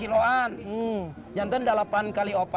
semua beransur harganya cukup